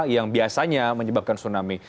yang biasanya menyebabkan tsunami